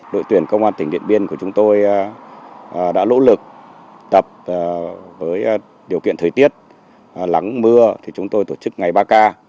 đội tuyển công an tỉnh điện biên của chúng tôi đã lỗ lực tập với điều kiện thời tiết lắng mưa chúng tôi tổ chức ngày ba k